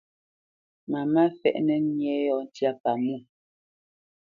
Mamá fɛ́ʼnǝ nyé yɔ̂ ntyá pamwô.